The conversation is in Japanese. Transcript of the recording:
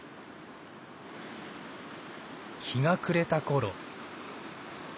日が暮れた頃。